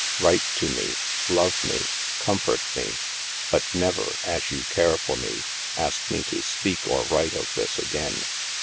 Write to me, love me, com fort me. But never, as you care for me, ask me to speak or write of this again.